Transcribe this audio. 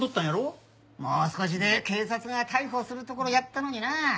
もう少しで警察が逮捕するところやったのになあ